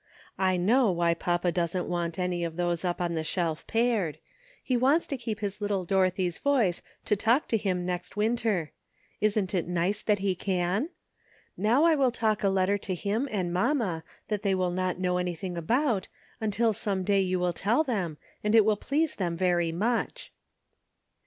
I know why papa doesn't want any of those up on the shelf pared ; he wants to keep his little Dorothy's voice to talk to him next winter. Isn't it nice that he can ? Now 362 AT LAST. I will talk a letter to him and mamma that they will not know anything about, until some day you will tell them, and it will please them very much."